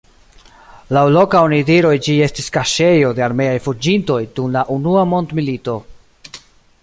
Laŭ loka onidiroj ĝi estis kaŝejo de armeaj fuĝintoj dum la unua mondmilito.